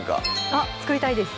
あっ作りたいです